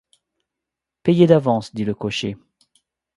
Payez d’avance, dit le cocher.